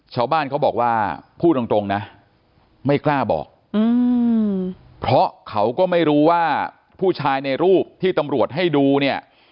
ชาวบ้านเขาบอกว่าพูดตรงนะไม่กล้าบอกเพราะเขาก็ไม่รู้ว่าผู้ชายในรูปที่ตำรวจให้ดูเนี่ย